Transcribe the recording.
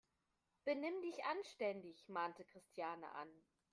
Benimm dich anständig!, mahnte Christiane an.